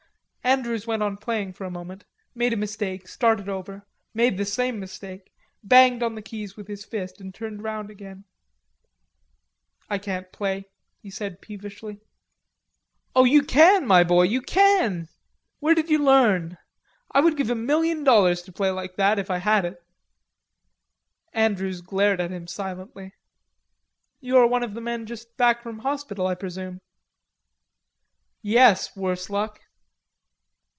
Andrews went on playing for a moment, made a mistake, started over, made the same mistake, banged on the keys with his fist and turned round again. "I can't play," he said peevishly. "Oh, you can, my boy, you can.... Where did you learn? I would give a million dollars to play like that, if I had it." Andrews glared at him silently. "You are one of the men just back from hospital, I presume." "Yes, worse luck."